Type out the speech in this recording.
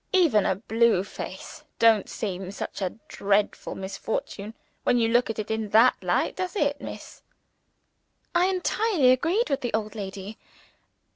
Even a blue face don't seem such a dreadful misfortune, when you look at it in that light does it, Miss?" I entirely agreed with the old lady.